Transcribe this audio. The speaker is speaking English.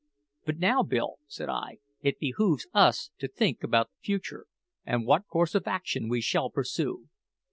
"But now, Bill," said I, "it behoves us to think about the future, and what course of action we shall pursue.